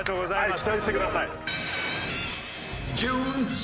期待してください。